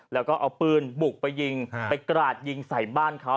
แล้วก็เอาปืนบุกไปยิงไปกราดยิงใส่บ้านเขา